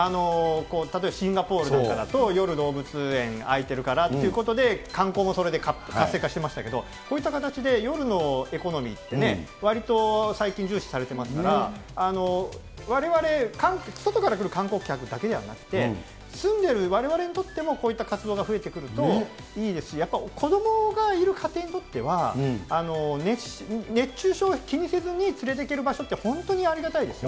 例えばシンガポールとかだと、夜、動物園、開いてるからということで、観光もそれで活性化してましたけど、こういった形で、夜のエコノミーってね、わりと最近重視されてますから、われわれ、外から来る観光客だけではなくて、住んでいる我々にとってもこういった活動が増えてくるといいですし、やっぱり子どもがいる家庭にとっては、熱中症気にせずに連れていける場所って、本当にありがたいですよ。